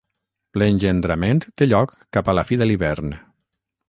L'engendrament té lloc cap a la fi de l'hivern.